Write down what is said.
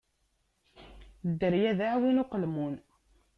Dderya d aɛwin uqelmun.